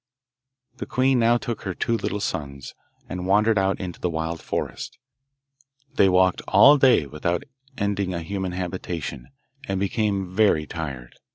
The queen now took her two little sons, and wandered out into the wild forest. They walked all day without ending a human habitation, and became very tired.